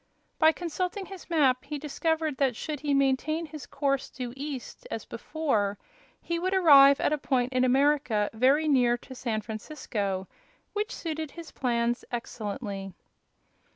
By consulting his map he discovered that should he maintain his course due east, as before, he would arrive at a point in America very near to San Francisco, which suited his plans excellently.